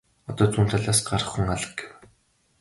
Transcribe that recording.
Одоо зүүн талаас гарах хүн алга гэв.